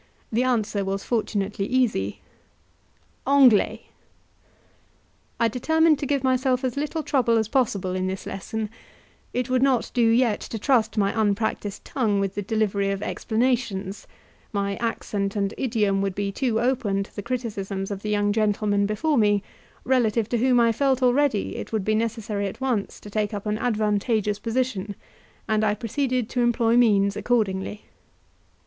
The answer was fortunately easy: "Anglais." I determined to give myself as little trouble as possible in this lesson; it would not do yet to trust my unpractised tongue with the delivery of explanations; my accent and idiom would be too open to the criticisms of the young gentlemen before me, relative to whom I felt already it would be necessary at once to take up an advantageous position, and I proceeded to employ means accordingly.